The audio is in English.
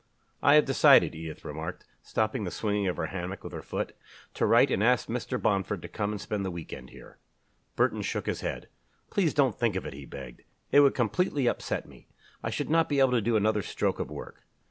"I have decided," Edith remarked, stopping the swinging of the hammock with her foot, "to write and ask Mr. Bomford to come and spend the week end here." Burton shook his head. "Please don't think of it," he begged. "It would completely upset me. I should not be able to do another stroke of work."